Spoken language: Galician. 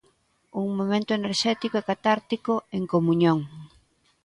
Un momento enerxético e catártico en comuñón.